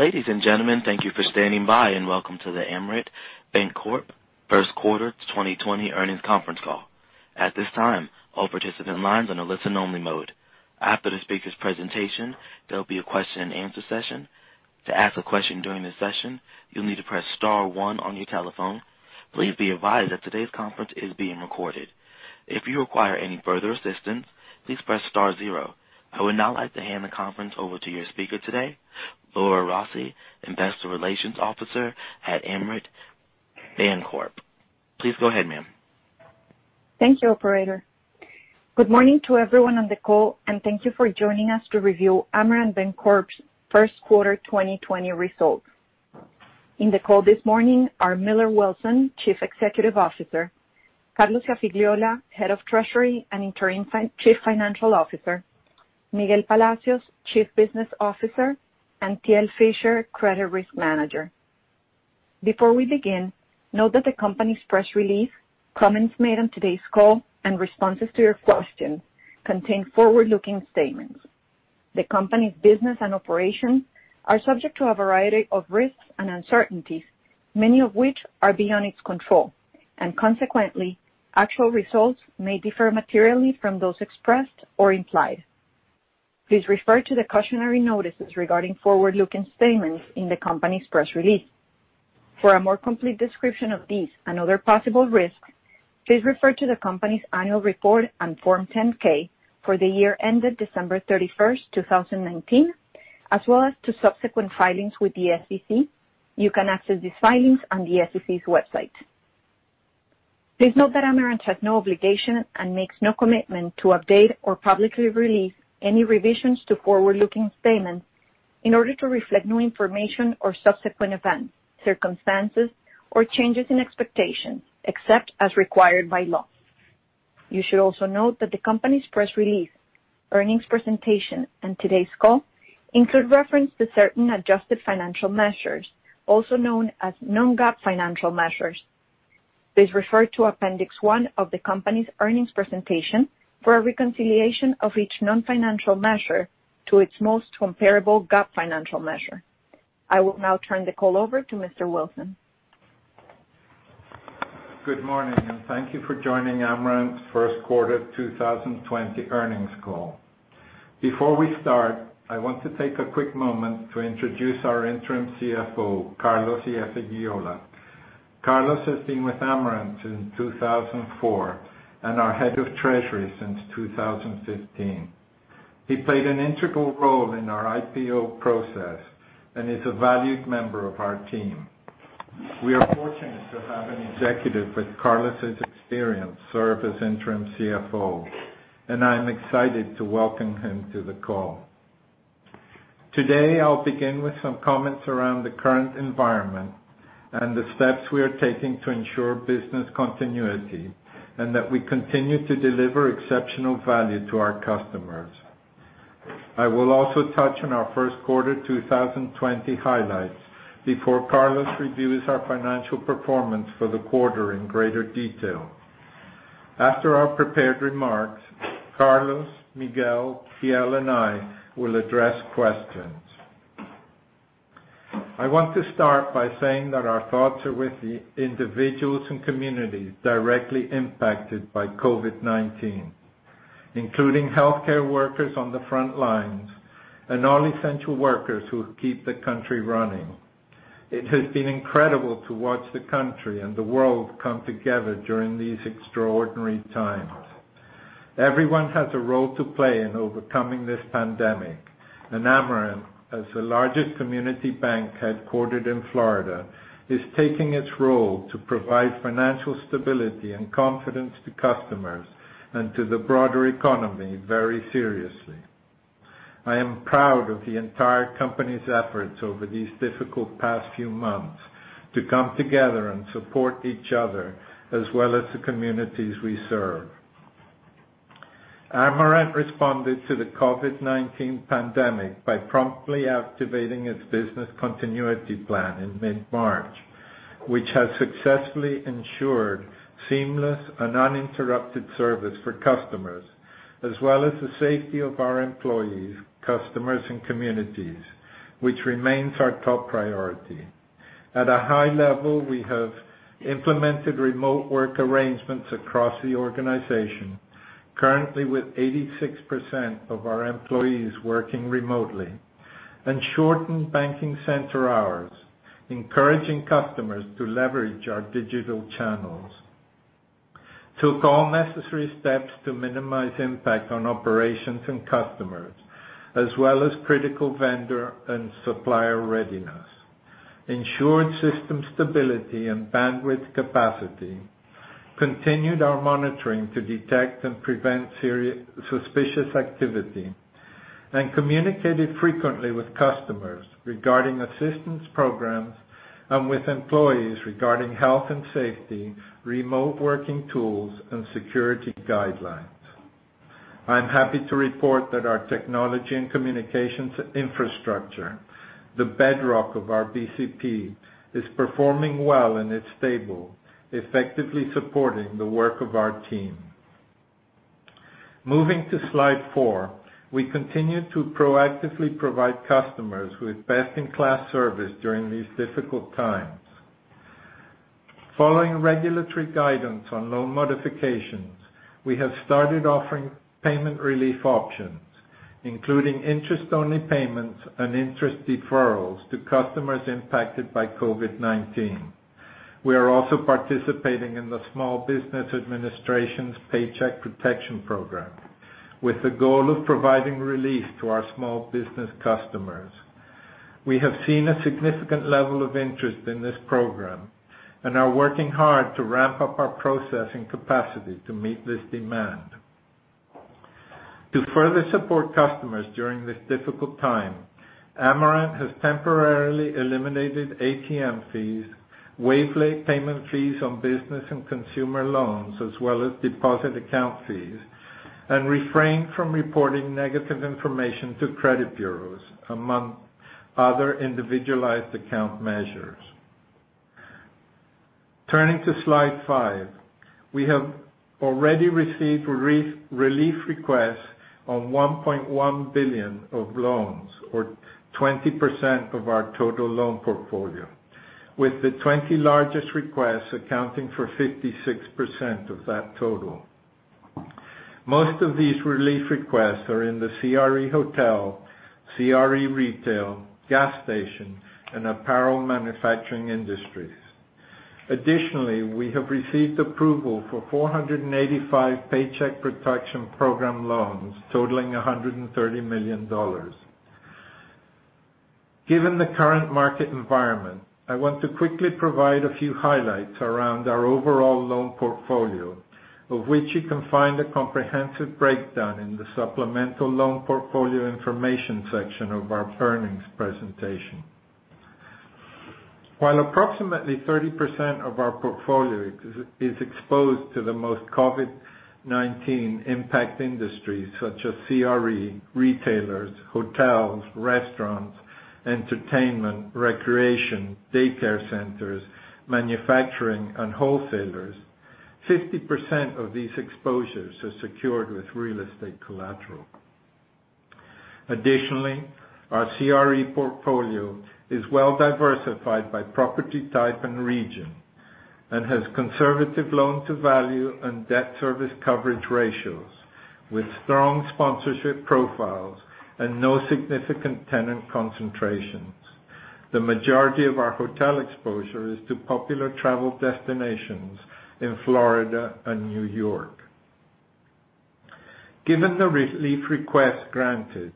Ladies and gentlemen, thank you for standing by, and welcome to the Amerant Bancorp first quarter 2020 earnings conference call. At this time, all participant lines are in a listen only mode. After the speaker's presentation, there'll be a question and answer session. To ask a question during this session, you'll need to press star one on your telephone. Please be advised that today's conference is being recorded. If you require any further assistance, please press star zero. I would now like to hand the conference over to your speaker today, Laura Rossi, investor relations officer at Amerant Bancorp. Please go ahead, ma'am. Thank you, operator. Good morning to everyone on the call, and thank you for joining us to review Amerant Bancorp's first quarter 2020 results. In the call this morning are Millar Wilson, Chief Executive Officer, Carlos Iafigliola, Head of Treasury and Interim Chief Financial Officer, Miguel Palacios, Chief Business Officer, and Thiele Fisher, Credit Risk Manager. Before we begin, note that the company's press release, comments made on today's call, and responses to your questions contain forward-looking statements. The company's business and operations are subject to a variety of risks and uncertainties, many of which are beyond its control. Consequently, actual results may differ materially from those expressed or implied. Please refer to the cautionary notices regarding forward-looking statements in the company's press release. For a more complete description of these and other possible risks, please refer to the company's annual report on Form 10-K for the year ended December 31st, 2019, as well as to subsequent filings with the SEC. You can access these filings on the SEC's website. Please note that Amerant has no obligation and makes no commitment to update or publicly release any revisions to forward-looking statements in order to reflect new information or subsequent events, circumstances, or changes in expectations, except as required by law. You should also note that the company's press release, earnings presentation, and today's call include reference to certain adjusted financial measures, also known as non-GAAP financial measures. Please refer to appendix one of the company's earnings presentation for a reconciliation of each non-financial measure to its most comparable GAAP financial measure. I will now turn the call over to Mr. Wilson. Good morning, and thank you for joining Amerant's first quarter 2020 earnings call. Before we start, I want to take a quick moment to introduce our interim CFO, Carlos Iafigliola. Carlos has been with Amerant since 2004 and our Head of Treasury since 2015. He played an integral role in our IPO process and is a valued member of our team. We are fortunate to have an executive with Carlos's experience serve as interim CFO, and I'm excited to welcome him to the call. Today, I'll begin with some comments around the current environment and the steps we are taking to ensure business continuity, and that we continue to deliver exceptional value to our customers. I will also touch on our first quarter 2020 highlights before Carlos reviews our financial performance for the quarter in greater detail. After our prepared remarks, Carlos, Miguel, Thiele, and I will address questions. I want to start by saying that our thoughts are with the individuals and communities directly impacted by COVID-19, including healthcare workers on the front lines and all essential workers who keep the country running. It has been incredible to watch the country and the world come together during these extraordinary times. Everyone has a role to play in overcoming this pandemic, and Amerant, as the largest community bank headquartered in Florida, is taking its role to provide financial stability and confidence to customers and to the broader economy very seriously. I am proud of the entire company's efforts over these difficult past few months to come together and support each other, as well as the communities we serve. Amerant responded to the COVID-19 pandemic by promptly activating its business continuity plan in mid-March, which has successfully ensured seamless and uninterrupted service for customers, as well as the safety of our employees, customers, and communities, which remains our top priority. At a high level, we have implemented remote work arrangements across the organization, currently with 86% of our employees working remotely, and shortened banking center hours, encouraging customers to leverage our digital channels. We took all necessary steps to minimize impact on operations and customers, as well as critical vendor and supplier readiness. We ensured system stability and bandwidth capacity. We continued our monitoring to detect and prevent suspicious activity, and communicated frequently with customers regarding assistance programs and with employees regarding health and safety, remote working tools, and security guidelines. I'm happy to report that our technology and communications infrastructure, the bedrock of our BCP, is performing well and is stable, effectively supporting the work of our team. Moving to slide four, we continue to proactively provide customers with best-in-class service during these difficult times. Following regulatory guidance on loan modifications, we have started offering payment relief options, including interest-only payments and interest deferrals to customers impacted by COVID-19. We are also participating in the Small Business Administration's Paycheck Protection Program with the goal of providing relief to our small business customers. We have seen a significant level of interest in this program and are working hard to ramp up our processing capacity to meet this demand. To further support customers during this difficult time, Amerant has temporarily eliminated ATM fees, waived late payment fees on business and consumer loans, as well as deposit account fees, and refrained from reporting negative information to credit bureaus, among other individualized account measures. Turning to slide five. We have already received relief requests on $1.1 billion of loans or 20% of our total loan portfolio, with the 20 largest requests accounting for 56% of that total. Most of these relief requests are in the CRE hotel, CRE retail, gas station, and apparel manufacturing industries. Additionally, we have received approval for 485 Paycheck Protection Program loans totaling $130 million. Given the current market environment, I want to quickly provide a few highlights around our overall loan portfolio, of which you can find a comprehensive breakdown in the supplemental loan portfolio information section of our earnings presentation. While approximately 30% of our portfolio is exposed to the most COVID-19 impact industries such as CRE, retailers, hotels, restaurants, entertainment, recreation, daycare centers, manufacturing, and wholesalers, 50% of these exposures are secured with real estate collateral. Additionally, our CRE portfolio is well-diversified by property type and region and has conservative loan to value and debt service coverage ratios with strong sponsorship profiles and no significant tenant concentrations. The majority of our hotel exposure is to popular travel destinations in Florida and New York. Given the relief request granted,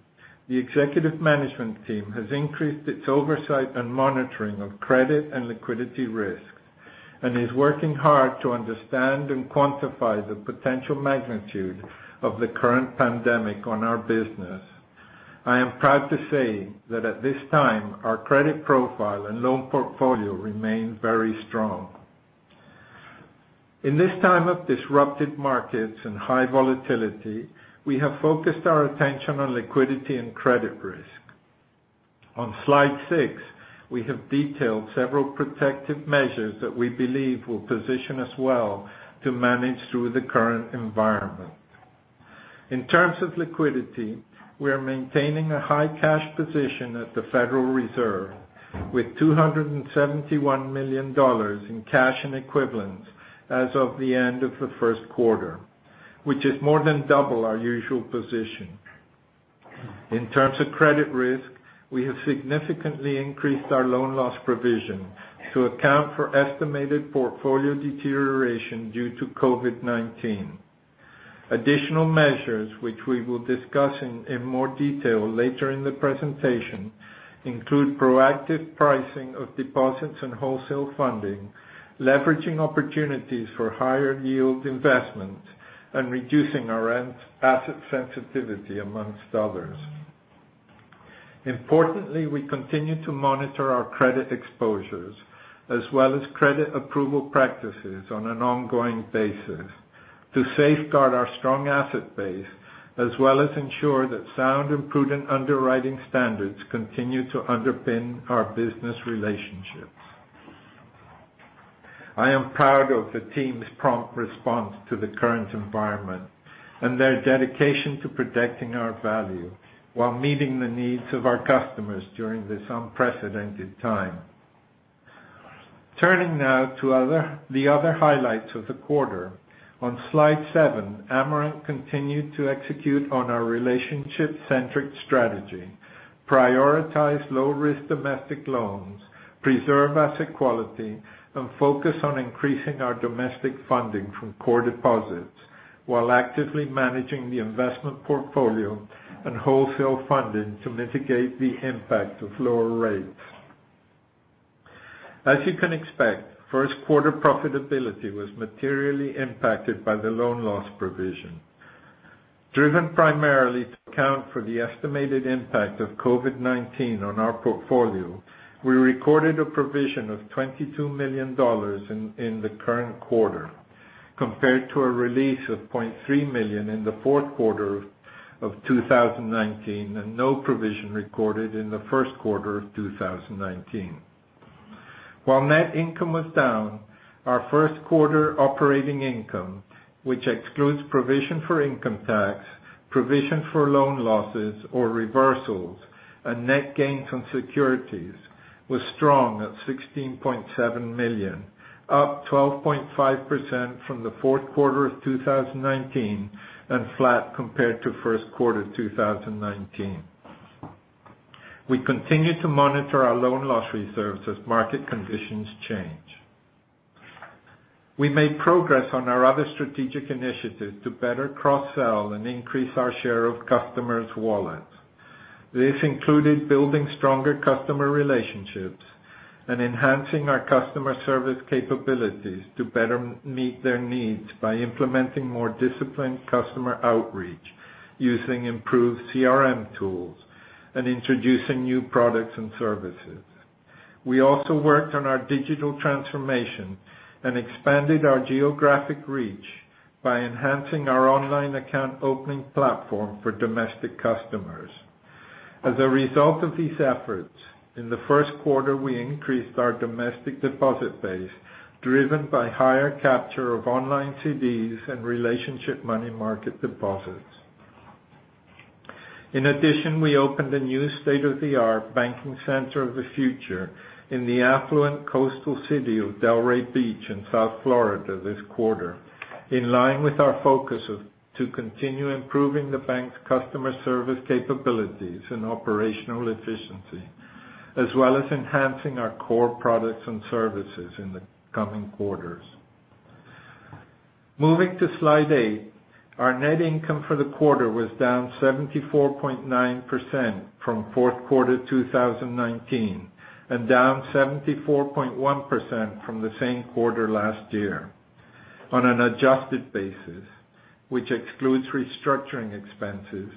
the executive management team has increased its oversight and monitoring of credit and liquidity risks, and is working hard to understand and quantify the potential magnitude of the current pandemic on our business. I am proud to say that at this time, our credit profile and loan portfolio remain very strong. In this time of disrupted markets and high volatility, we have focused our attention on liquidity and credit risk. On slide six, we have detailed several protective measures that we believe will position us well to manage through the current environment. In terms of liquidity, we are maintaining a high cash position at the Federal Reserve with $271 million in cash and equivalents as of the end of the first quarter, which is more than double our usual position. In terms of credit risk, we have significantly increased our loan loss provision to account for estimated portfolio deterioration due to COVID-19. Additional measures, which we will discuss in more detail later in the presentation, include proactive pricing of deposits and wholesale funding, leveraging opportunities for higher yield investment, and reducing our asset sensitivity, amongst others. Importantly, we continue to monitor our credit exposures as well as credit approval practices on an ongoing basis to safeguard our strong asset base as well as ensure that sound and prudent underwriting standards continue to underpin our business relationships. I am proud of the team's prompt response to the current environment and their dedication to protecting our value while meeting the needs of our customers during this unprecedented time. Turning now to the other highlights of the quarter. On slide seven, Amerant continued to execute on our relationship-centric strategy, prioritize low-risk domestic loans, preserve asset quality, and focus on increasing our domestic funding from core deposits while actively managing the investment portfolio and wholesale funding to mitigate the impact of lower rates. As you can expect, first quarter profitability was materially impacted by the loan loss provision. Driven primarily to account for the estimated impact of COVID-19 on our portfolio, we recorded a provision of $22 million in the current quarter compared to a release of $0.3 million in the fourth quarter of 2019, and no provision recorded in the first quarter of 2019. Net income was down, our first quarter operating income, which excludes provision for income tax, provision for loan losses or reversals, and net gains on securities, was strong at $16.7 million, up 12.5% from the fourth quarter of 2019, and flat compared to first quarter 2019. We continue to monitor our loan loss reserves as market conditions change. We made progress on our other strategic initiatives to better cross-sell and increase our share of customers' wallets. This included building stronger customer relationships and enhancing our customer service capabilities to better meet their needs by implementing more disciplined customer outreach, using improved CRM tools, and introducing new products and services. We also worked on our digital transformation and expanded our geographic reach by enhancing our online account opening platform for domestic customers. As a result of these efforts, in the first quarter, we increased our domestic deposit base, driven by higher capture of online CDs and relationship money market deposits. We opened a new state-of-the-art banking center of the future in the affluent coastal city of Delray Beach in South Florida this quarter, in line with our focus to continue improving the bank's customer service capabilities and operational efficiency, as well as enhancing our core products and services in the coming quarters. Moving to slide eight, our net income for the quarter was down 74.9% from fourth quarter 2019, and down 74.1% from the same quarter last year. On an adjusted basis, which excludes restructuring expenses,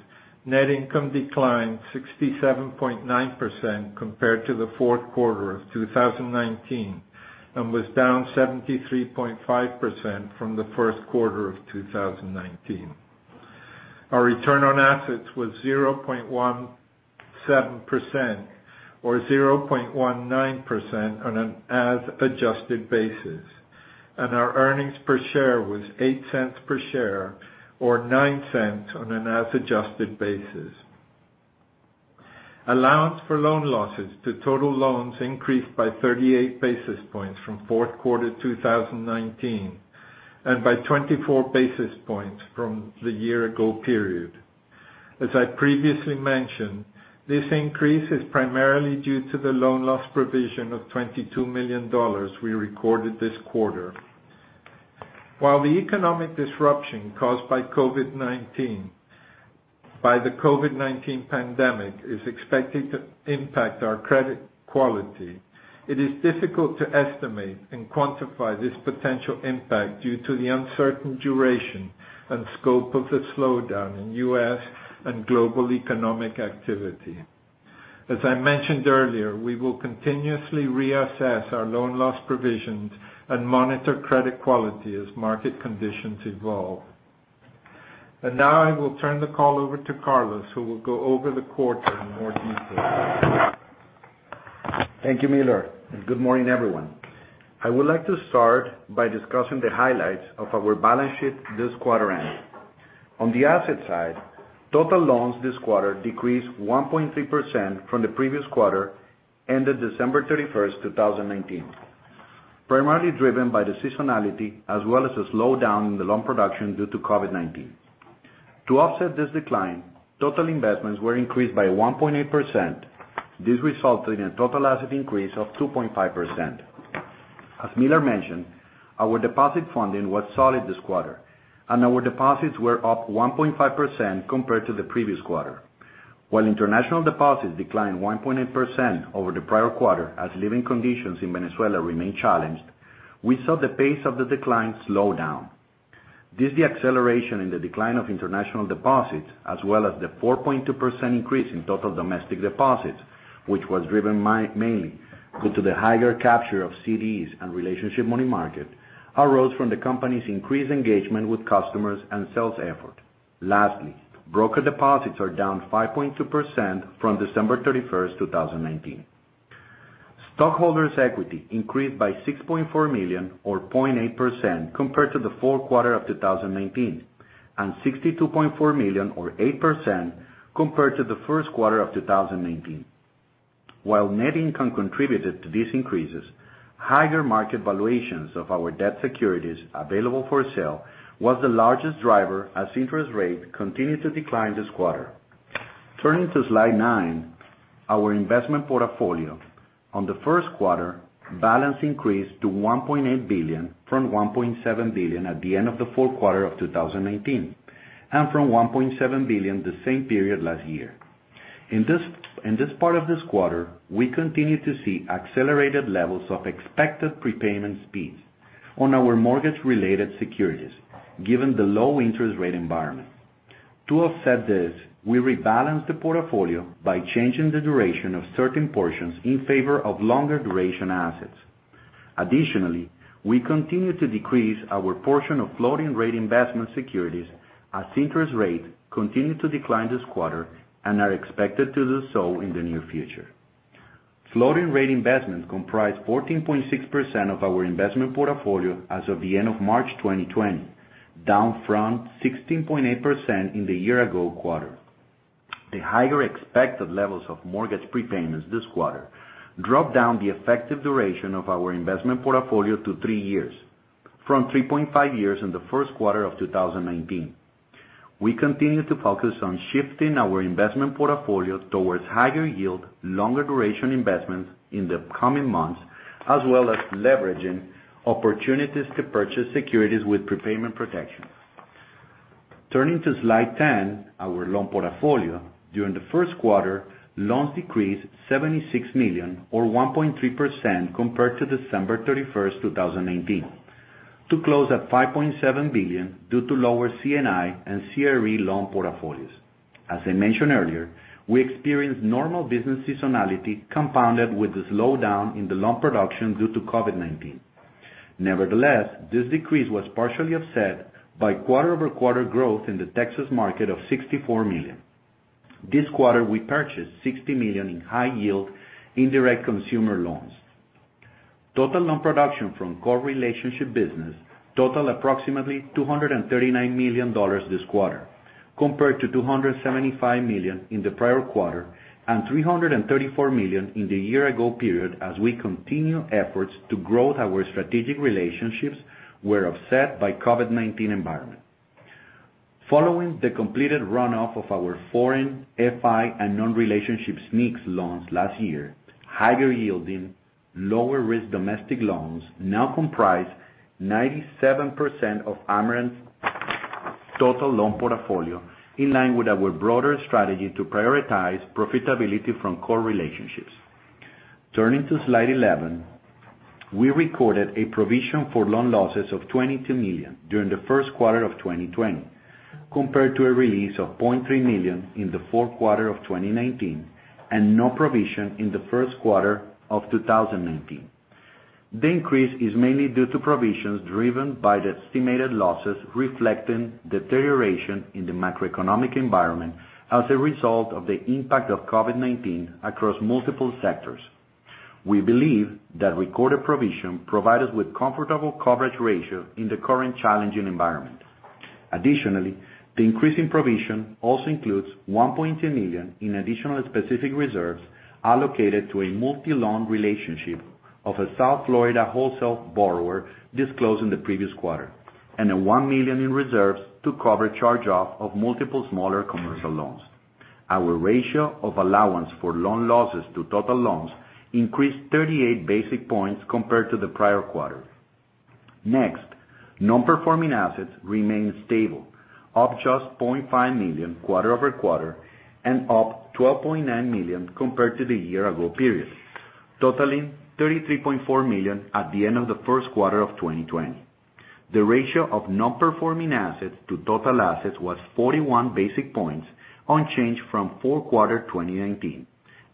net income declined 67.9% compared to the fourth quarter of 2019, and was down 73.5% from the first quarter of 2019. Our return on assets was 0.17%, or 0.19% on an as-adjusted basis, and our earnings per share was $0.08 per share, or $0.09 on an as-adjusted basis. Allowance for loan losses to total loans increased by 38 basis points from fourth quarter 2019, and by 24 basis points from the year ago period. As I previously mentioned, this increase is primarily due to the loan loss provision of $22 million we recorded this quarter. While the economic disruption caused by the COVID-19 pandemic is expected to impact our credit quality, it is difficult to estimate and quantify this potential impact due to the uncertain duration and scope of the slowdown in U.S. and global economic activity. As I mentioned earlier, we will continuously reassess our loan loss provisions and monitor credit quality as market conditions evolve. Now I will turn the call over to Carlos, who will go over the quarter in more detail. Thank you, Millar. Good morning, everyone. I would like to start by discussing the highlights of our balance sheet this quarter end. On the asset side, total loans this quarter decreased 1.3% from the previous quarter ended December 31, 2019, primarily driven by the seasonality as well as a slowdown in the loan production due to COVID-19. To offset this decline, total investments were increased by 1.8%. This resulted in a total asset increase of 2.5%. As Millar mentioned, our deposit funding was solid this quarter, and our deposits were up 1.5% compared to the previous quarter. While international deposits declined 1.8% over the prior quarter as living conditions in Venezuela remain challenged, we saw the pace of the decline slow down. This deceleration in the decline of international deposits, as well as the 4.2% increase in total domestic deposits, which was driven mainly due to the higher capture of CDs and relationship money market, arose from the company's increased engagement with customers and sales effort. Lastly, brokered deposits are down 5.2% from December 31st, 2019. Stockholders' equity increased by $6.4 million or 0.8% compared to the fourth quarter of 2019, and $62.4 million or 8% compared to the first quarter of 2019. While net income contributed to these increases, higher market valuations of our debt securities available for sale was the largest driver as interest rates continued to decline this quarter. Turning to slide nine, our investment portfolio. On the first quarter, balance increased to $1.8 billion from $1.7 billion at the end of the fourth quarter of 2019, and from $1.7 billion the same period last year. In this part of this quarter, we continued to see accelerated levels of expected prepayment speeds on our mortgage-related securities, given the low interest rate environment. To offset this, we rebalanced the portfolio by changing the duration of certain portions in favor of longer duration assets. Additionally, we continue to decrease our portion of floating rate investment securities as interest rates continue to decline this quarter and are expected to do so in the near future. Floating rate investments comprise 14.6% of our investment portfolio as of the end of March 2020, down from 16.8% in the year-ago quarter. The higher expected levels of mortgage prepayments this quarter dropped down the effective duration of our investment portfolio to three years, from 3.5 years in the first quarter of 2019. We continue to focus on shifting our investment portfolio towards higher yield, longer duration investments in the coming months, as well as leveraging opportunities to purchase securities with prepayment protection. Turning to slide 10, our loan portfolio. During the first quarter, loans decreased $76 million, or 1.3%, compared to December 31st, 2019, to close at $5.7 billion due to lower C&I and CRE loan portfolios. As I mentioned earlier, we experienced normal business seasonality compounded with the slowdown in the loan production due to COVID-19. Nevertheless, this decrease was partially offset by quarter-over-quarter growth in the Texas market of $64 million. This quarter, we purchased $60 million in high-yield indirect consumer loans. Total loan production from core relationship business totaled approximately $239 million this quarter, compared to $275 million in the prior quarter and $334 million in the year-ago period, as we continue efforts to grow our strategic relationships were offset by COVID-19 environment. Following the completed runoff of our foreign FI and non-relationship SMEs loans last year, higher yielding, lower risk domestic loans now comprise 97% of Amerant's total loan portfolio, in line with our broader strategy to prioritize profitability from core relationships. Turning to slide 11, we recorded a provision for loan losses of $22 million during the first quarter of 2020, compared to a release of $0.3 million in the fourth quarter of 2019 and no provision in the first quarter of 2019. The increase is mainly due to provisions driven by the estimated losses reflecting deterioration in the macroeconomic environment as a result of the impact of COVID-19 across multiple sectors. We believe that recorded provision provide us with comfortable coverage ratio in the current challenging environment. Additionally, the increase in provision also includes $1.2 million in additional specific reserves allocated to a multi-loan relationship of a South Florida wholesale borrower disclosed in the previous quarter, and a $1 million in reserves to cover charge-off of multiple smaller commercial loans. Our ratio of allowance for loan losses to total loans increased 38 basis points compared to the prior quarter. Non-performing assets remained stable, up just $0.5 million quarter-over-quarter and up $12.9 million compared to the year-ago period, totaling $33.4 million at the end of the first quarter of 2020. The ratio of non-performing assets to total assets was 41 basis points, unchanged from fourth quarter 2019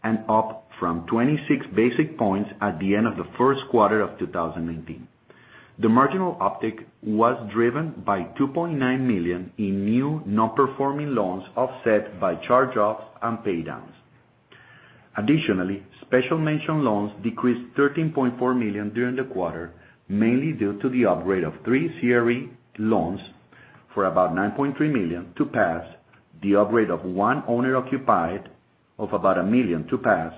and up from 26 basis points at the end of the first quarter of 2019. The marginal uptick was driven by $2.9 million in new non-performing loans, offset by charge-offs and pay-downs. Additionally, Special Mention loans decreased $13.4 million during the quarter, mainly due to the upgrade of three CRE loans for about $9.3 million to Pass, the upgrade of one owner-occupied of about $1 million to Pass,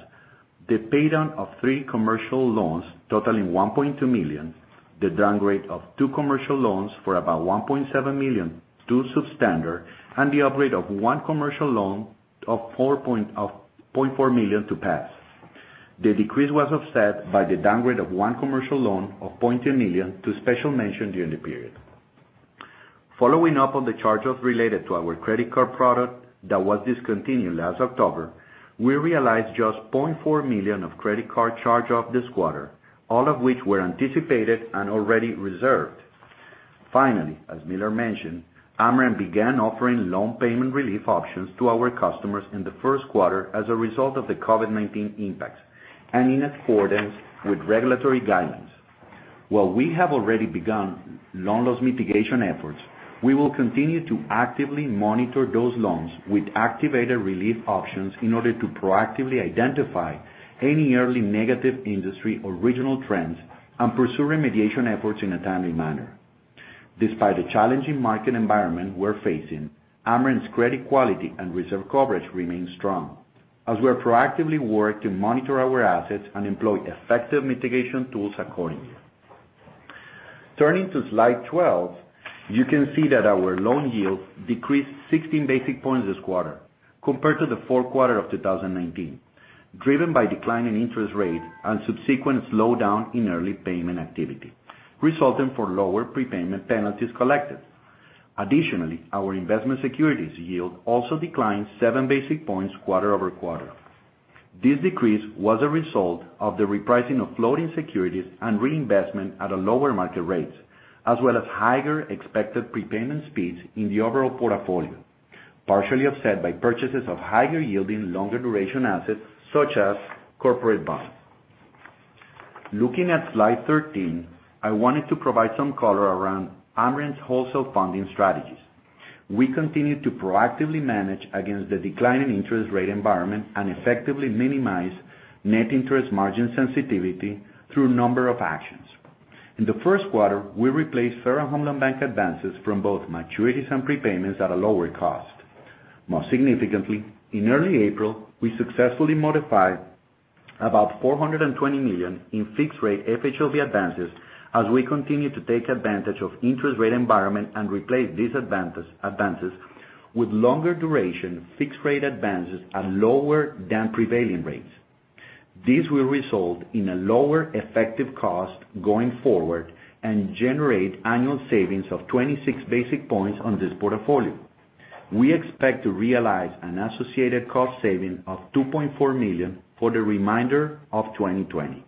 the pay-down of three commercial loans totaling $1.2 million, the downgrade of two commercial loans for about $1.7 million to Substandard, and the upgrade of one commercial loan of $0.4 million to Pass. The decrease was offset by the downgrade of one commercial loan of $0.2 million to Special Mention during the period. Following up on the charge-off related to our credit card product that was discontinued last October, we realized just $0.4 million of credit card charge-off this quarter, all of which were anticipated and already reserved. Finally, as Millar mentioned, Amerant began offering loan payment relief options to our customers in the first quarter as a result of the COVID-19 impact and in accordance with regulatory guidelines. While we have already begun loan loss mitigation efforts, we will continue to actively monitor those loans with activated relief options in order to proactively identify any early negative industry or regional trends and pursue remediation efforts in a timely manner. Despite the challenging market environment we're facing, Amerant's credit quality and reserve coverage remain strong as we have proactively worked to monitor our assets and employ effective mitigation tools accordingly. Turning to slide 12, you can see that our loan yields decreased 16 basis points this quarter compared to the fourth quarter of 2019, driven by declining interest rates and subsequent slowdown in early payment activity, resulting for lower prepayment penalties collected. Additionally, our investment securities yield also declined seven basis points quarter over quarter. This decrease was a result of the repricing of floating securities and reinvestment at lower market rates, as well as higher expected prepayment speeds in the overall portfolio, partially offset by purchases of higher yielding, longer duration assets, such as corporate bonds. Looking at slide 13, I wanted to provide some color around Amerant's wholesale funding strategies. We continue to proactively manage against the declining interest rate environment and effectively minimize net interest margin sensitivity through a number of actions. In the first quarter, we replaced Federal Home Loan Bank advances from both maturities and prepayments at a lower cost. Most significantly, in early April, we successfully modified about $420 million in fixed-rate FHLB advances as we continue to take advantage of interest rate environment and replace these advances with longer duration, fixed-rate advances at lower than prevailing rates. These will result in a lower effective cost going forward and generate annual savings of 26 basis points on this portfolio. We expect to realize an associated cost saving of $2.4 million for the remainder of 2020.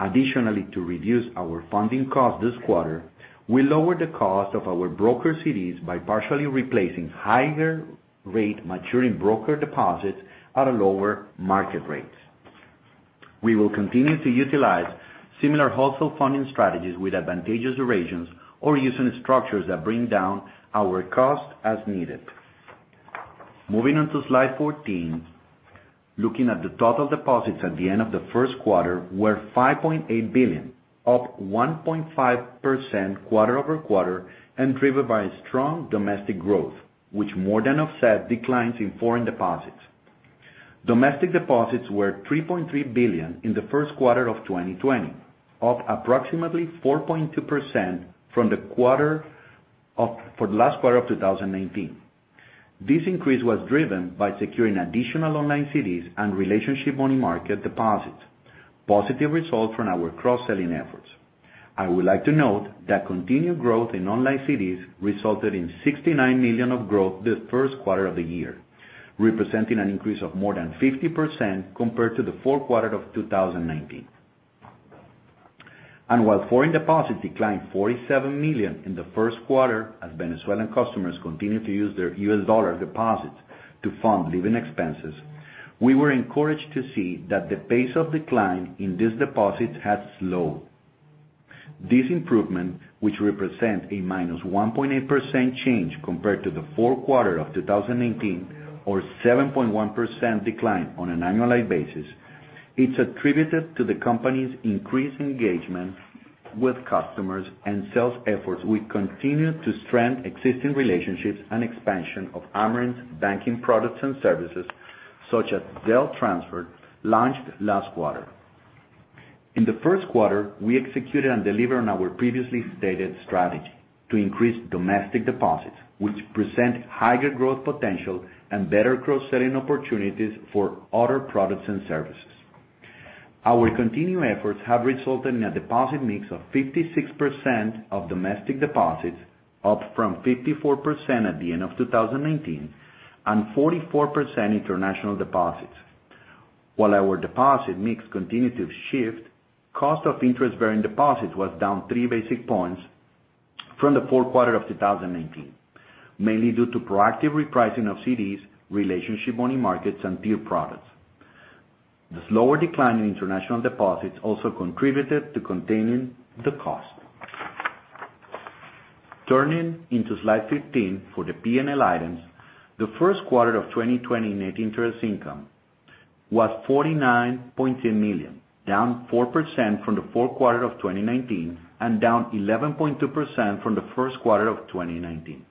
Additionally, to reduce our funding cost this quarter, we lowered the cost of our brokered CDs by partially replacing higher rate maturing brokered deposits at a lower market rate. We will continue to utilize similar wholesale funding strategies with advantageous durations or using structures that bring down our cost as needed. Moving on to slide 14, looking at the total deposits at the end of the first quarter were $5.8 billion, up 1.5% quarter-over-quarter, and driven by strong domestic growth, which more than offset declines in foreign deposits. Domestic deposits were $3.3 billion in the first quarter of 2020, up approximately 4.2% for the last quarter of 2019. This increase was driven by securing additional online CDs and relationship money market deposits, positive results from our cross-selling efforts. I would like to note that continued growth in online CDs resulted in $69 million of growth the first quarter of the year, representing an increase of more than 50% compared to the fourth quarter of 2019. While foreign deposits declined $47 million in the first quarter as Venezuelan customers continued to use their US dollar deposits to fund living expenses, we were encouraged to see that the pace of decline in these deposits has slowed. This improvement, which represent a minus 1.8% change compared to the fourth quarter of 2019 or 7.1% decline on an annualized basis, it's attributed to the company's increased engagement with customers and sales efforts will continue to strengthen existing relationships and expansion of Amerant's banking products and services, such as Zelle transfer, launched last quarter. In the first quarter, we executed and delivered on our previously stated strategy to increase domestic deposits, which present higher growth potential and better cross-selling opportunities for other products and services. Our continued efforts have resulted in a deposit mix of 56% of domestic deposits, up from 54% at the end of 2019, and 44% international deposits. While our deposit mix continued to shift, cost of interest-bearing deposits was down 3 basis points from the fourth quarter of 2019, mainly due to proactive repricing of CDs, relationship money markets, and tier products. The slower decline in international deposits also contributed to containing the cost. Turning into slide 15 for the P&L items, the first quarter of 2020 net interest income was $49.2 million, down 4% from the fourth quarter of 2019 and down 11.2% from the first quarter of 2019.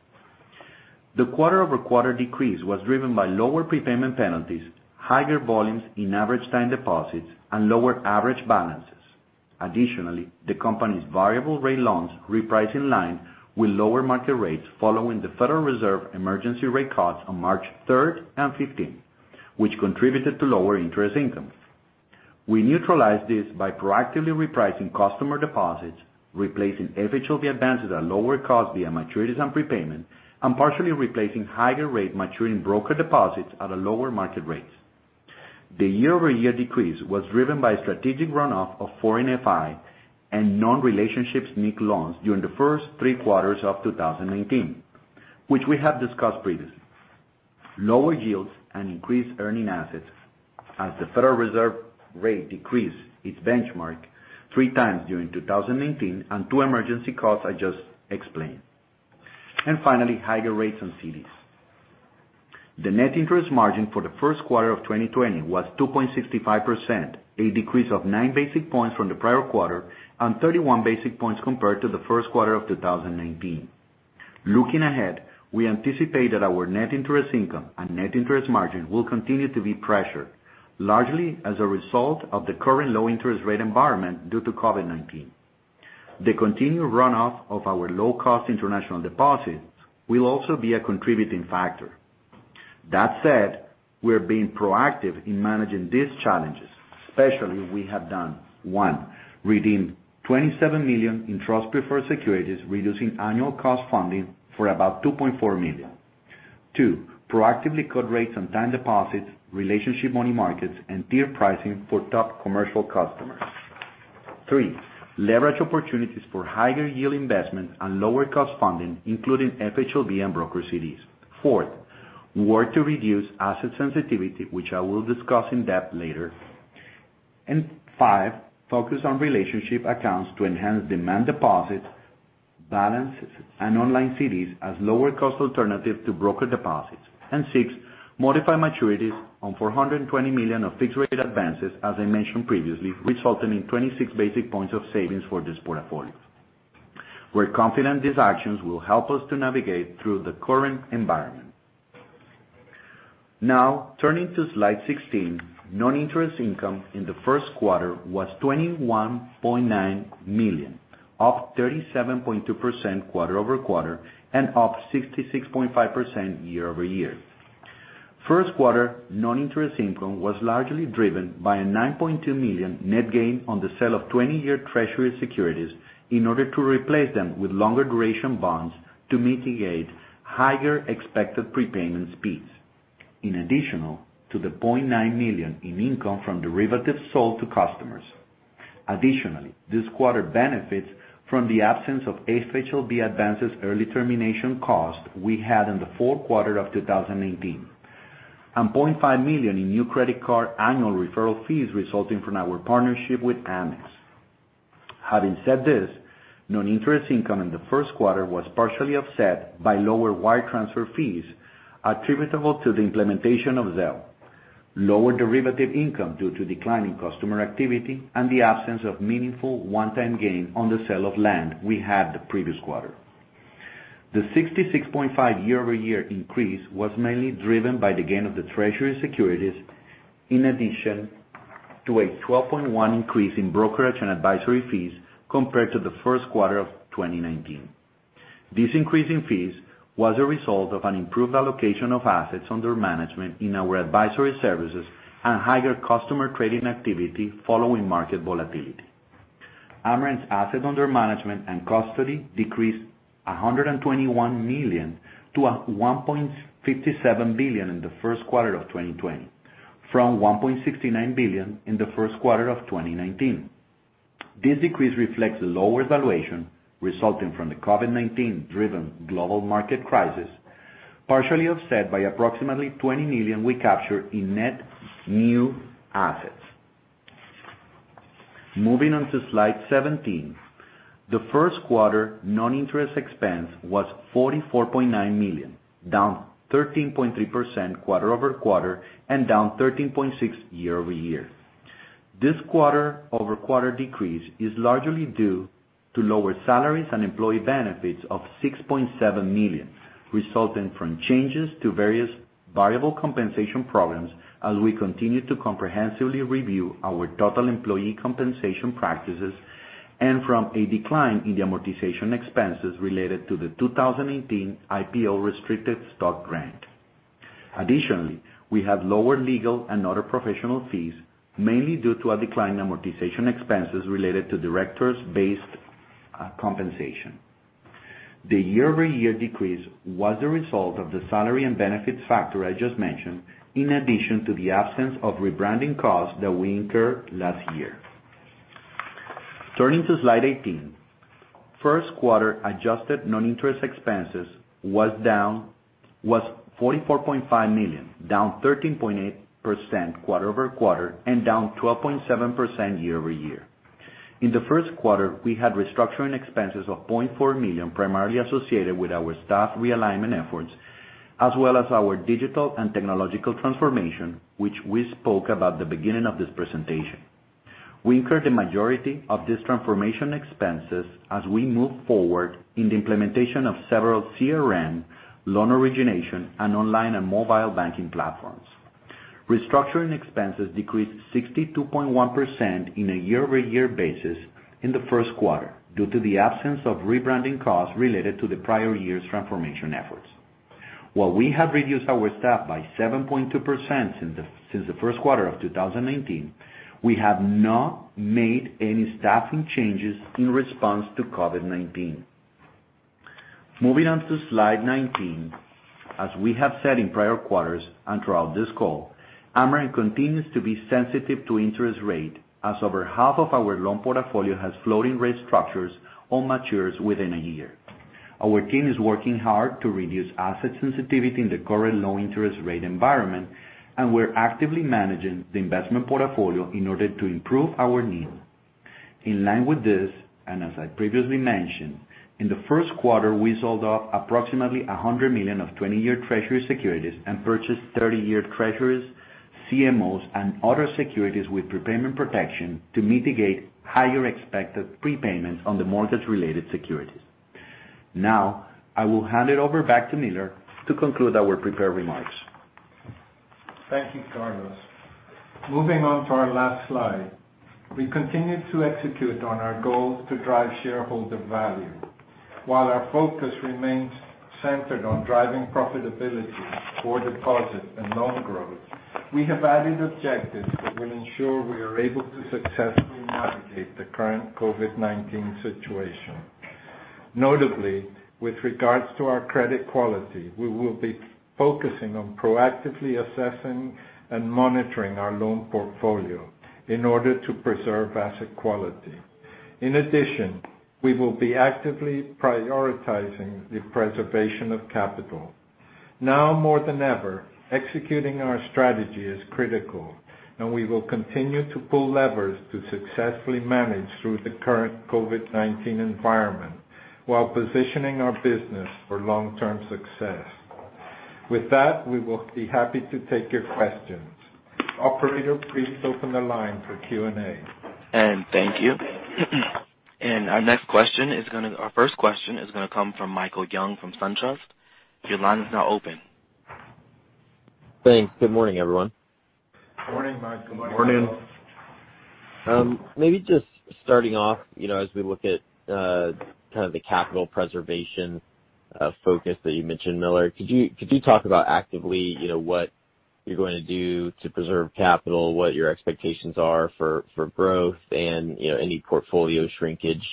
The quarter-over-quarter decrease was driven by lower prepayment penalties, higher volumes in average time deposits, and lower average balances. The company's variable rate loans reprice in line with lower market rates following the Federal Reserve emergency rate cuts on March 3rd and 15th, which contributed to lower interest income. We neutralized this by proactively repricing customer deposits, replacing FHLB advances at lower cost via maturities and prepayment, and partially replacing higher rate maturing broker deposits at a lower market rates. The year-over-year decrease was driven by strategic runoff of foreign FI and non-relationships C&I loans during the first three quarters of 2019, which we have discussed previously. Lower yields and increased earning assets as the Federal Reserve rate decreased its benchmark three times during 2019 and two emergency cuts I just explained. Finally, higher rates on CDs. The net interest margin for the first quarter of 2020 was 2.65%, a decrease of nine basis points from the prior quarter and 31 basis points compared to the first quarter of 2019. Looking ahead, we anticipate that our net interest income and net interest margin will continue to be pressured, largely as a result of the current low interest rate environment due to COVID-19. The continued runoff of our low-cost international deposits will also be a contributing factor. That said, we are being proactive in managing these challenges, especially we have done, one, redeemed $27 million in trust-preferred securities, reducing annual cost funding for about $2.4 million. Two, proactively cut rates on time deposits, relationship money markets, and tier pricing for top commercial customers. Three, leverage opportunities for higher yield investments and lower cost funding, including FHLB and brokered CDs. Fourth, work to reduce asset sensitivity, which I will discuss in depth later. Five, focus on relationship accounts to enhance demand deposits, balances, and online CDs as lower cost alternative to broker deposits. Six, modify maturities on $420 million of fixed-rate advances, as I mentioned previously, resulting in 26 basis points of savings for this portfolio. We're confident these actions will help us to navigate through the current environment. Turning to slide 16, non-interest income in the first quarter was $21.9 million, up 37.2% quarter-over-quarter, and up 66.5% year-over-year. First quarter non-interest income was largely driven by a $9.2 million net gain on the sale of 20-year Treasury securities in order to replace them with longer duration bonds to mitigate higher expected prepayment speeds, in addition to the $0.9 million in income from derivatives sold to customers. Additionally, this quarter benefits from the absence of FHLB advances early termination cost we had in the fourth quarter of 2018, and $0.5 million in new credit card annual referral fees resulting from our partnership with Amex. Having said this, non-interest income in the first quarter was partially offset by lower wire transfer fees attributable to the implementation of Zelle, lower derivative income due to declining customer activity, and the absence of meaningful one-time gain on the sale of land we had the previous quarter. The 66.5% year-over-year increase was mainly driven by the gain of the Treasury securities, in addition to a 12.1% increase in brokerage and advisory fees compared to the first quarter of 2019. This increase in fees was a result of an improved allocation of assets under management in our advisory services and higher customer trading activity following market volatility. Amerant's assets under management and custody decreased $121 million to $1.57 billion in the first quarter of 2020 from $1.69 billion in the first quarter of 2019. This decrease reflects lower valuation resulting from the COVID-19-driven global market crisis, partially offset by approximately $20 million we captured in net new assets. Moving on to slide 17, the first quarter non-interest expense was $44.9 million, down 13.3% quarter-over-quarter, and down 13.6% year-over-year. This quarter-over-quarter decrease is largely due to lower salaries and employee benefits of $6.7 million resulting from changes to various variable compensation programs as we continue to comprehensively review our total employee compensation practices and from a decline in the amortization expenses related to the 2018 IPO restricted stock grant. Additionally, we have lower legal and other professional fees, mainly due to a decline in amortization expenses related to directors-based compensation. The year-over-year decrease was the result of the salary and benefits factor I just mentioned, in addition to the absence of rebranding costs that we incurred last year. Turning to slide 18, first quarter adjusted non-interest expenses was $44.5 million, down 13.8% quarter-over-quarter, and down 12.7% year-over-year. In the first quarter, we had restructuring expenses of $0.4 million, primarily associated with our staff realignment efforts, as well as our digital and technological transformation, which we spoke about the beginning of this presentation. We incurred the majority of these transformation expenses as we move forward in the implementation of several CRM, loan origination, and online and mobile banking platforms. Restructuring expenses decreased 62.1% in a year-over-year basis in the first quarter due to the absence of rebranding costs related to the prior year's transformation efforts. While we have reduced our staff by 7.2% since the first quarter of 2019, we have not made any staffing changes in response to COVID-19. Moving on to slide 19, as we have said in prior quarters and throughout this call, Amerant continues to be sensitive to interest rate, as over half of our loan portfolio has floating-rate structures or matures within a year. Our team is working hard to reduce asset sensitivity in the current low-interest rate environment, and we're actively managing the investment portfolio in order to improve our NIM. In line with this, and as I previously mentioned, in the first quarter, we sold off approximately $100 million of 20-year Treasury securities and purchased 30-year Treasuries, CMOs, and other securities with prepayment protection to mitigate higher expected prepayments on the mortgage-related securities. Now, I will hand it over back to Millar to conclude our prepared remarks. Thank you, Carlos. Moving on to our last slide. We continue to execute on our goals to drive shareholder value. While our focus remains centered on driving profitability for deposit and loan growth, we have added objectives that will ensure we are able to successfully navigate the current COVID-19 situation. Notably, with regards to our credit quality, we will be focusing on proactively assessing and monitoring our loan portfolio in order to preserve asset quality. In addition, we will be actively prioritizing the preservation of capital. Now more than ever, executing our strategy is critical, and we will continue to pull levers to successfully manage through the current COVID-19 environment while positioning our business for long-term success. With that, we will be happy to take your questions. Operator, please open the line for Q&A. Thank you. Our first question is going to come from Michael Young from Truist. Your line is now open. Thanks. Good morning, everyone. Morning, Mike. Good morning. Morning. Maybe just starting off, as we look at kind of the capital preservation focus that you mentioned, Millar, could you talk about actively what you're going to do to preserve capital, what your expectations are for growth and any portfolio shrinkage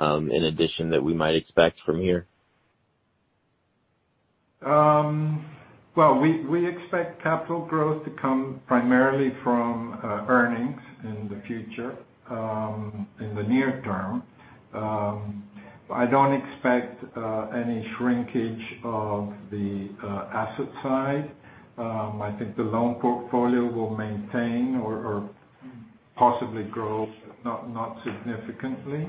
in addition that we might expect from here? Well, we expect capital growth to come primarily from earnings in the future, in the near term. I don't expect any shrinkage of the asset side. I think the loan portfolio will maintain or possibly grow, if not significantly.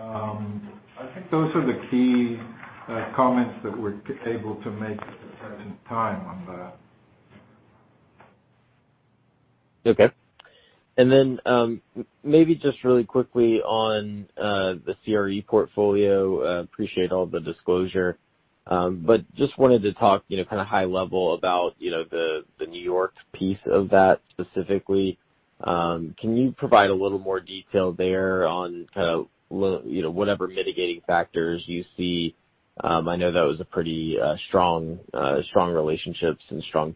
I think those are the key comments that we're able to make at the time on that. Okay. Maybe just really quickly on the CRE portfolio. Appreciate all the disclosure. Wanted to talk kind of high level about the New York piece of that specifically. Can you provide a little more detail there on kind of whatever mitigating factors you see? I know those are pretty strong relationships and strong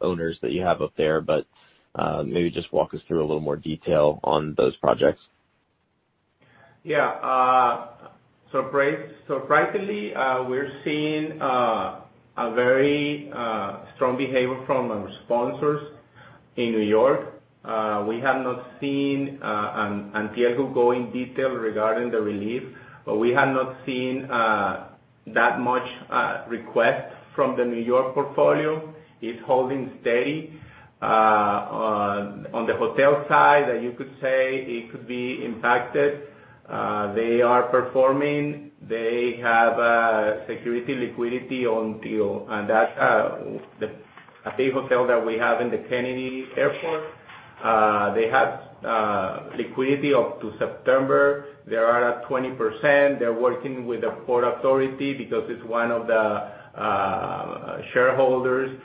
owners that you have up there. Walk us through a little more detail on those projects. Yeah. Surprisingly, we're seeing a very strong behavior from our sponsors in New York. We have not seen Diego go in detail regarding the relief. We have not seen that much requests from the New York portfolio. It's holding steady. On the hotel side, you could say it could be impacted. They are performing. They have a security liquidity At the hotel that we have in the Kennedy Airport, they have liquidity up to September. They are at 20%. They're working with the Port Authority because it's one of the shareholders.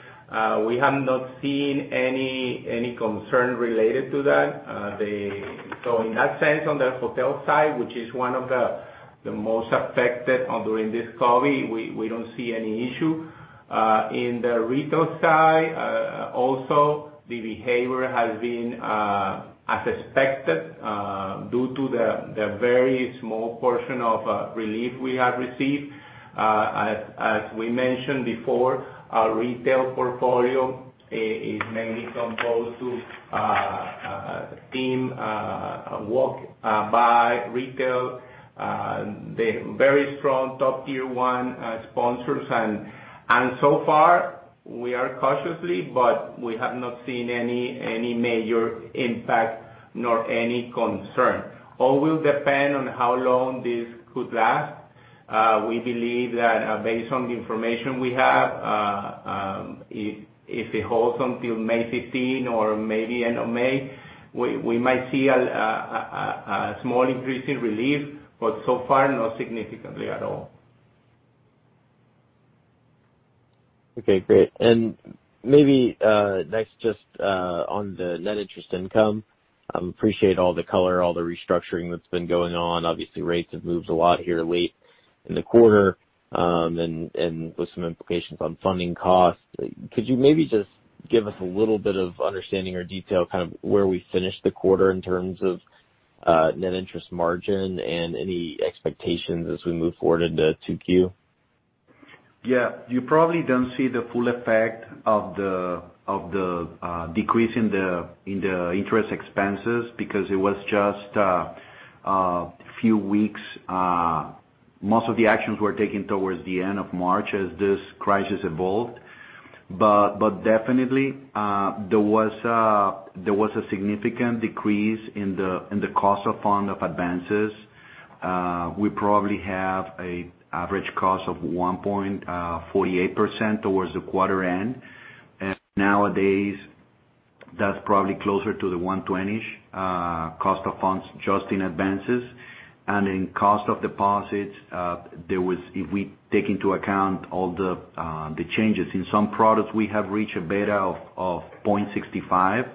We have not seen any concern related to that. In that sense, on the hotel side, which is one of the most affected during this COVID, we don't see any issue. In the retail side, also, the behavior has been as expected due to the very small portion of relief we have received. As we mentioned before, our retail portfolio is mainly composed to team walk, buy, retail, the very strong top tier 1 sponsors. So far we are cautiously, but we have not seen any major impact nor any concern. All will depend on how long this could last. We believe that based on the information we have, if it holds until May 15 or maybe end of May, we might see a small increase in relief, but so far, not significantly at all. Okay, great. Maybe next just on the net interest income. Appreciate all the color, all the restructuring that's been going on. Obviously, rates have moved a lot here late in the quarter, and with some implications on funding costs. Could you maybe just give us a little bit of understanding or detail kind of where we finished the quarter in terms of net interest margin and any expectations as we move forward into Q2? You probably don't see the full effect of the decrease in the interest expenses because it was just a few weeks. Most of the actions were taken towards the end of March as this crisis evolved. Definitely, there was a significant decrease in the cost of funds of advances. We probably have an average cost of 1.48% towards the quarter end. Nowadays, that's probably closer to the 1.20-ish cost of funds just in advances. In cost of deposits, if we take into account all the changes, in some products, we have reached a beta of 0.65.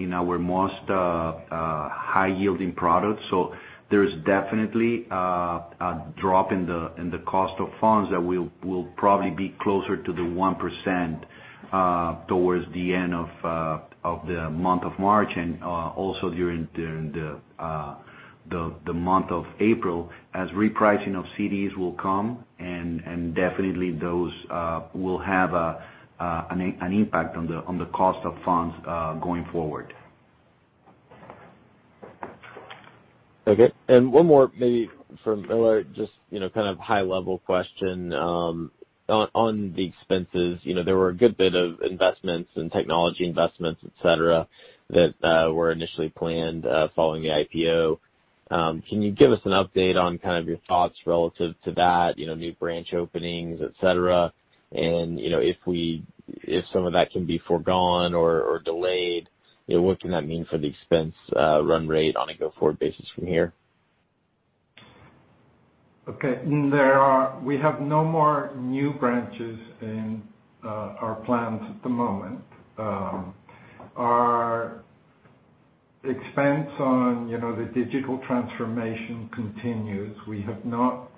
In our most high-yielding products. There's definitely a drop in the cost of funds that will probably be closer to the 1% towards the end of the month of March and also during the month of April as repricing of CDs will come, and definitely those will have an impact on the cost of funds going forward. Okay. One more maybe for Millar, just kind of high level question. On the expenses, there were a good bit of investments and technology investments, et cetera, that were initially planned following the IPO. Can you give us an update on kind of your thoughts relative to that, new branch openings, et cetera? If some of that can be forgone or delayed, what can that mean for the expense run rate on a go-forward basis from here? Okay. We have no more new branches in our plans at the moment. Our expense on the digital transformation continues. We have not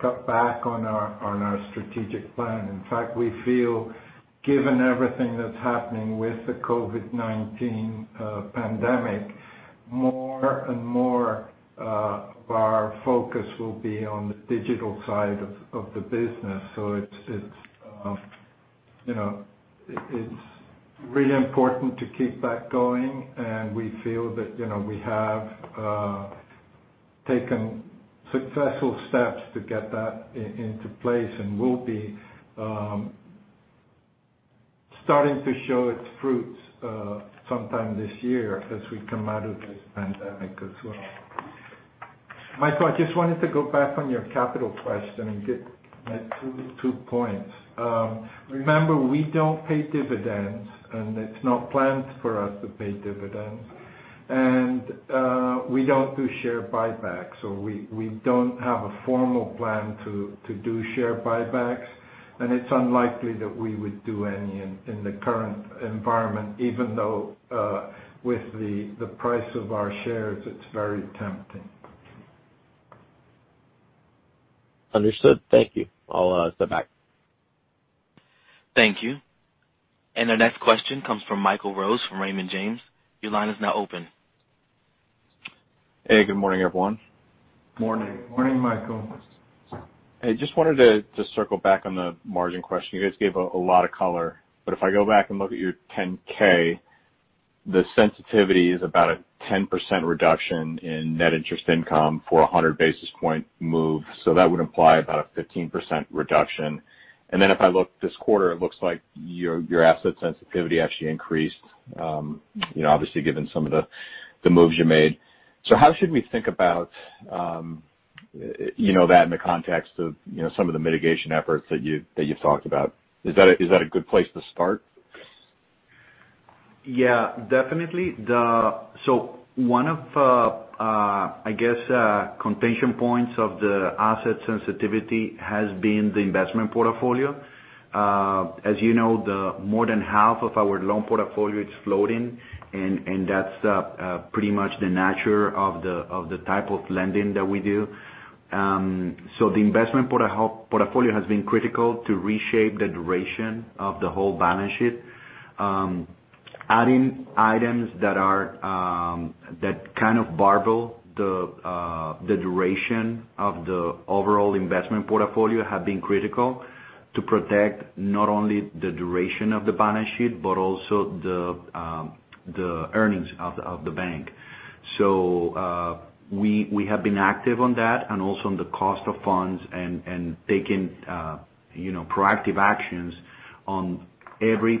cut back on our strategic plan. In fact, we feel given everything that's happening with the COVID-19 pandemic, more and more of our focus will be on the digital side of the business. It's really important to keep that going, and we feel that we have taken successful steps to get that into place and will be starting to show its fruits sometime this year as we come out of this pandemic as well. Michael, I just wanted to go back on your capital question and get two points. Remember, we don't pay dividends, and it's not planned for us to pay dividends. We don't do share buybacks, or we don't have a formal plan to do share buybacks. It's unlikely that we would do any in the current environment, even though with the price of our shares, it's very tempting. Understood. Thank you. I'll step back. Thank you. Our next question comes from Michael Rose from Raymond James. Your line is now open. Hey, good morning, everyone. Morning. Morning, Michael. Hey, just wanted to circle back on the margin question. You guys gave a lot of color, but if I go back and look at your 10-K, the sensitivity is about a 10% reduction in net interest income for 100 basis point move. That would imply about a 15% reduction. If I look this quarter, it looks like your asset sensitivity actually increased, obviously given some of the moves you made. How should we think about that in the context of some of the mitigation efforts that you've talked about? Is that a good place to start? Yeah, definitely. One of, I guess, contention points of the asset sensitivity has been the investment portfolio. As you know, more than half of our loan portfolio is floating, and that's pretty much the nature of the type of lending that we do. The investment portfolio has been critical to reshape the duration of the whole balance sheet. Adding items that kind of barbell the duration of the overall investment portfolio have been critical to protect not only the duration of the balance sheet, but also the earnings of the bank. We have been active on that and also on the cost of funds and taking proactive actions on every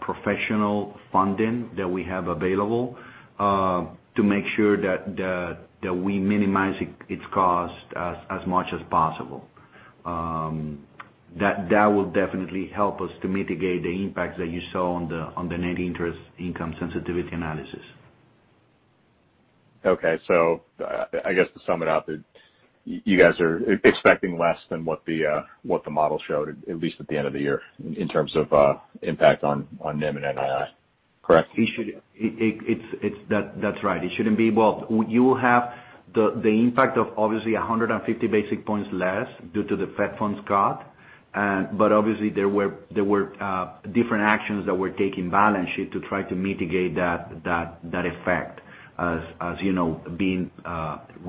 professional funding that we have available to make sure that we minimize its cost as much as possible. That will definitely help us to mitigate the impact that you saw on the net interest income sensitivity analysis. Okay. I guess to sum it up, you guys are expecting less than what the model showed, at least at the end of the year, in terms of impact on NIM and NII, correct? That's right. Well, you will have the impact of obviously 150 basis points less due to the Fed funds cut. Obviously there were different actions that were taking balance sheet to try to mitigate that effect. As you know,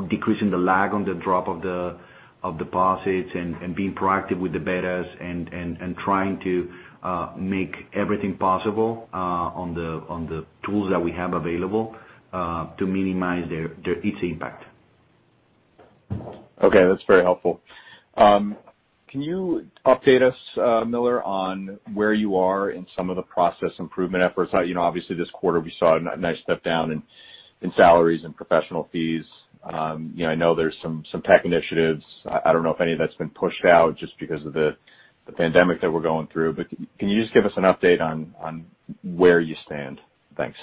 decreasing the lag on the drop of deposits and being proactive with the betas and trying to make everything possible on the tools that we have available to minimize its impact. Okay, that's very helpful. Can you update us, Millar, on where you are in some of the process improvement efforts? Obviously this quarter we saw a nice step down in salaries and professional fees. I know there's some tech initiatives. I don't know if any of that's been pushed out just because of the pandemic that we're going through. Can you just give us an update on where you stand? Thanks.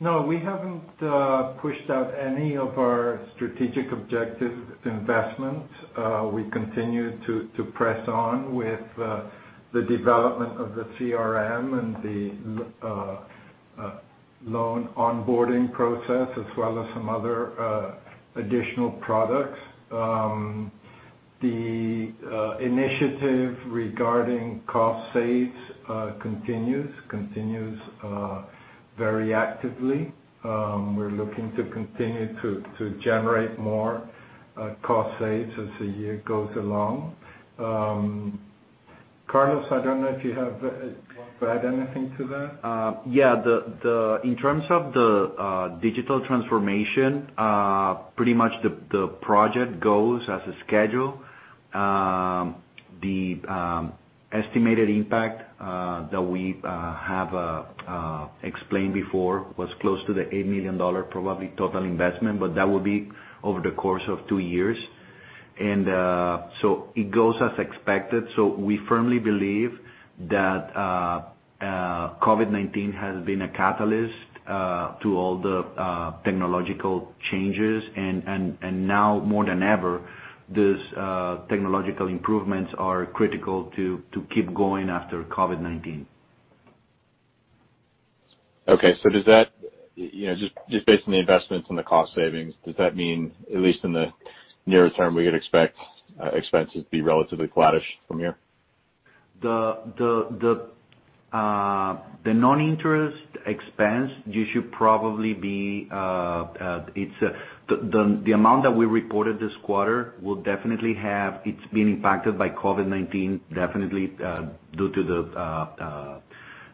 No, we haven't pushed out any of our strategic objective investments. We continue to press on with the development of the CRM and the loan onboarding process, as well as some other additional products. The initiative regarding cost saves continues very actively. We're looking to continue to generate more cost saves as the year goes along. Carlos, I don't know if you have to add anything to that. In terms of the digital transformation, pretty much the project goes as a schedule. The estimated impact that we have explained before was close to the $8 million probably total investment, but that will be over the course of two years. It goes as expected. We firmly believe that COVID-19 has been a catalyst to all the technological changes, and now more than ever, these technological improvements are critical to keep going after COVID-19. Okay, just based on the investments and the cost savings, does that mean, at least in the nearer term, we could expect expenses to be relatively flattish from here? The non-interest expense, the amount that we reported this quarter, it's been impacted by COVID-19 definitely due to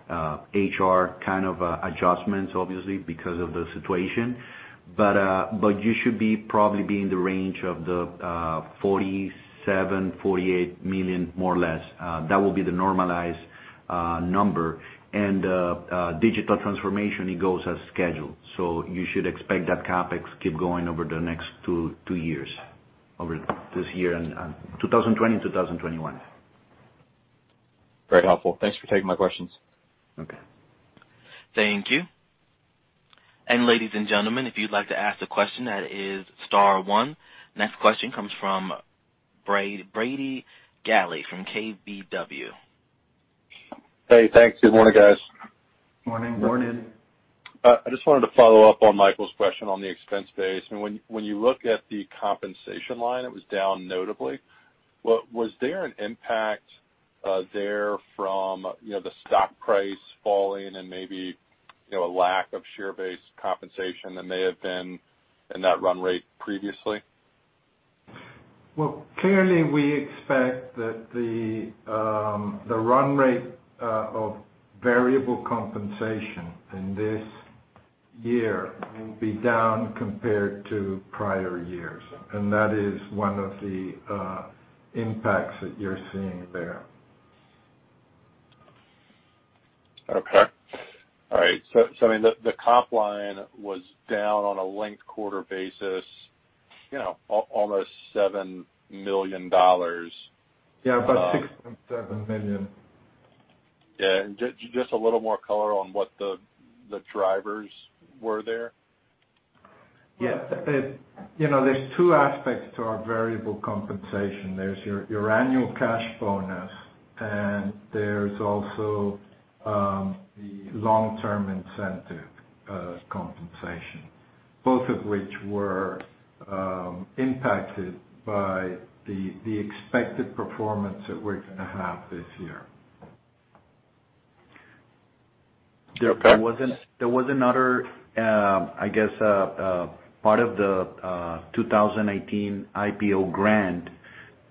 the HR kind of adjustments, obviously, because of the situation. You should be probably be in the range of the $47-48 million, more or less. That will be the normalized number. Digital transformation, it goes as scheduled. You should expect that CapEx keep going over the next two years, over this year and 2020, 2021. Very helpful. Thanks for taking my questions. Okay. Thank you. Ladies and gentlemen, if you'd like to ask a question, that is star one. Next question comes from Brady Gailey from KBW. Hey, thanks. Good morning, guys. Morning. Morning. I just wanted to follow up on Michael's question on the expense base. When you look at the compensation line, it was down notably. Was there an impact there from the stock price falling and maybe a lack of share-based compensation that may have been in that run rate previously? Well, clearly we expect that the run rate of variable compensation in this year will be down compared to prior years, and that is one of the impacts that you're seeing there. Okay. All right. I mean, the comp line was down on a linked quarter basis almost $7 million. Yeah, about $6.7 million. Yeah, just a little more color on what the drivers were there? Yeah. There's two aspects to our variable compensation. There's your annual cash bonus, and there's also the long-term incentive compensation, both of which were impacted by the expected performance that we're going to have this year. Okay. There was another, I guess, part of the 2018 IPO grant.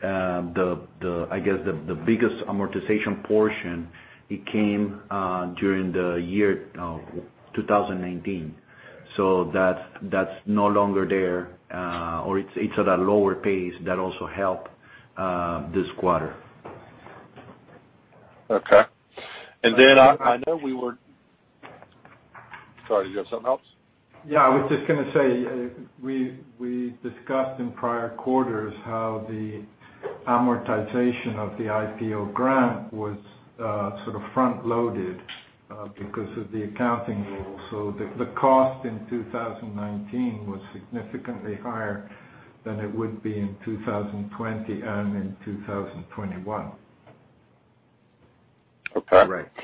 I guess the biggest amortization portion, it came during the year 2019. That's no longer there or it's at a lower pace that also helped this quarter. Okay. I know. Sorry, you have something else? I was just going to say, we discussed in prior quarters how the amortization of the IPO grant was sort of front-loaded because of the accounting. The cost in 2019 was significantly higher than it would be in 2020 and in 2021. Okay. Correct.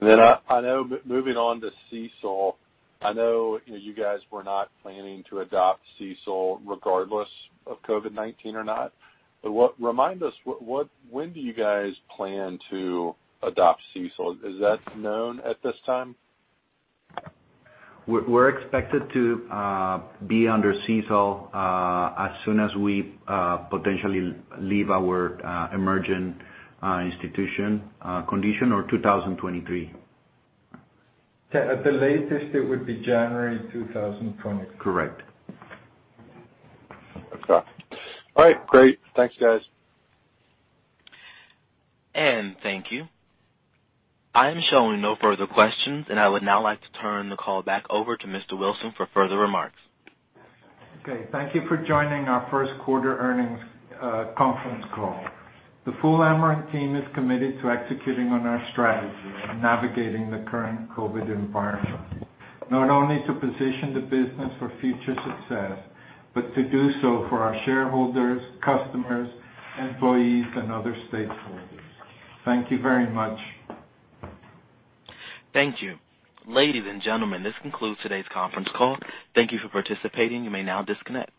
I know, moving on to CECL. I know you guys were not planning to adopt CECL regardless of COVID-19 or not. Remind us, when do you guys plan to adopt CECL? Is that known at this time? We're expected to be under CECL as soon as we potentially leave our emerging institution condition, or 2023. At the latest, it would be January 2023. Correct. Okay. All right, great. Thanks, guys. Thank you. I am showing no further questions. I would now like to turn the call back over to Mr. Wilson for further remarks. Okay, thank you for joining our first quarter earnings conference call. The full Amerant team is committed to executing on our strategy and navigating the current COVID environment, not only to position the business for future success, but to do so for our shareholders, customers, employees, and other stakeholders. Thank you very much. Thank you. Ladies and gentlemen, this concludes today's conference call. Thank you for participating. You may now disconnect.